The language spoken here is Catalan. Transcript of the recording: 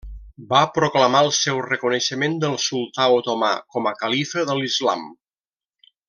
Va proclamar el seu reconeixement del sultà otomà com a califa de l'islam.